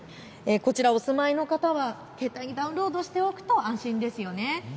お住まいの方は携帯にダウンロードしておくと安心ですよね。